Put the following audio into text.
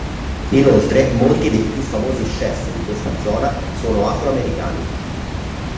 Inoltre molti dei più famosi chef di questa zona sono afroamericani.